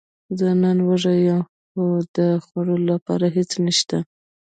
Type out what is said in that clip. زه نن وږی یم، خو د خوړلو لپاره هیڅ نشته